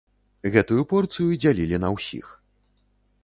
Гэтую порцыю дзялілі на ўсіх.